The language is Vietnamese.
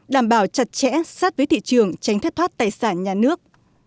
đảm bảo chặt chẽ sát với thị trường tránh thất thoát tài sản nhà nước